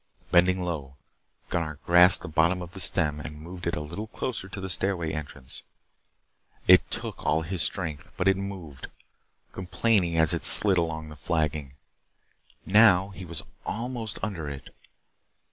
Bending low, Gunnar grasped the bottom of the stem and moved it a little closer to the stairway entrance. It took all of his strength, but it moved, complaining as it slid along the flagging. Now he was almost under it.